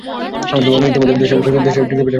ইতিমধ্যে দেশের লোক দেশে টিঁকতে পারছে না এমনি হয়েছে।